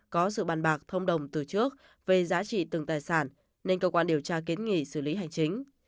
có sự bàn bạc thông đồng từ trước về giá trị từng tài sản